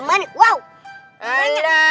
kamu kenapa beracakan dulu